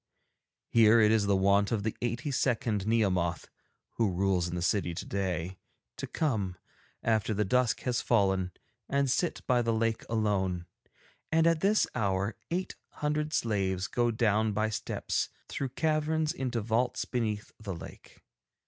Here it is the wont of the eighty second Nehemoth (who rules in the city today) to come, after the dusk has fallen, and sit by the lake alone, and at this hour eight hundred slaves go down by steps through caverns into vaults beneath the lake.